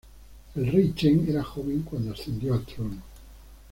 El rey Cheng era joven cuando ascendió al trono.